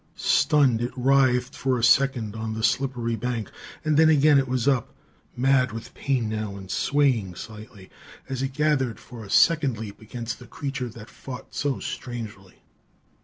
Stunned, it writhed for a second on the slippery bank; and then again it was up, mad with pain now and swaying slightly as it gathered for a second leap against this creature that fought so strangely.